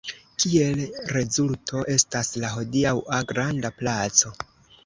Kiel rezulto estas la hodiaŭa granda placo.